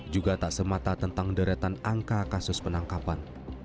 juga tak semata tentang deretan angka kasus penangkapan